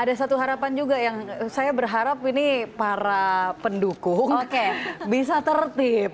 ada satu harapan juga yang saya berharap ini para pendukung bisa tertib